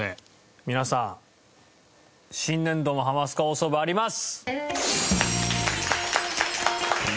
皆さん新年度も『ハマスカ放送部』あります！